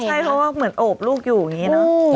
ใช่เพราะว่าเหมือนโอบลูกอยู่อย่างนี้เนอะ